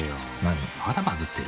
まだバズってるよ。